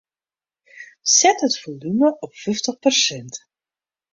Set it folume op fyftich persint.